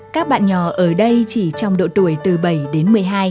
các bạn nhỏ ở đây chỉ trong độ tuổi từ bảy đến một mươi hai